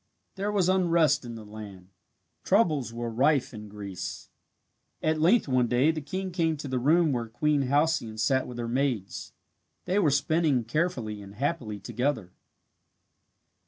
There was unrest in the land. Troubles were rife in Greece. At length one day the king came to the room where Queen Halcyone sat with her maids. They were spinning carefully and happily together.